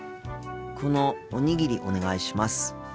このおにぎりお願いします。